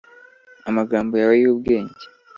amagambo yawe y'ubwenge